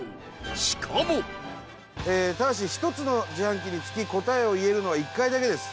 しかも伊達：ただし１つの自販機につき答えを言えるのは１回だけです。